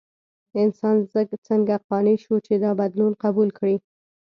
انسان څنګه قانع شو چې دا بدلون قبول کړي؟